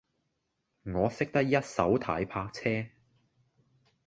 我識得一手軚泊車